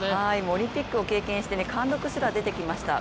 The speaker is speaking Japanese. オリンピックを経験して貫禄すら出てきました。